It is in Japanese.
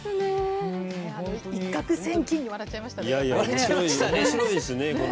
「一獲千金」笑っちゃいましたね。